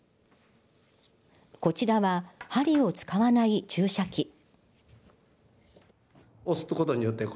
こちらは針を使わない注射器。